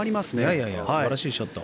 いやいや素晴らしいショット。